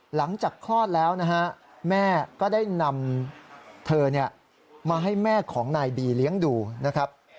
หลังจากคลอดแล้วนะฮะแม่ก็ได้นำเธอมาให้แม่ของนายบีเลี้ยงดูนะครับ